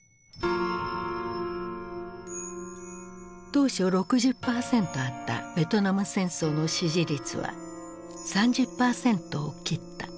当初６０％あったベトナム戦争の支持率は３０％を切った。